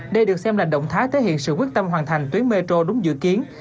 đây được xem là động thái thể hiện sự quyết tâm hoàn thành tuyến metro đúng dự kiến